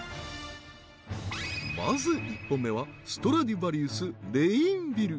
まず１本目はストラディヴァリウス・レインヴィル